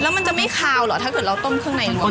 แล้วมันจะไม่คาวหรอถ้าเกิดเราต้มเครื่องในรวมกัน